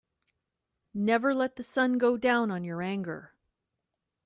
Never let the sun go down on your anger.